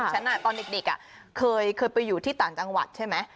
ตอนเด็กเคยไปอยู่ที่ต่างจังหวัดใช่ไหม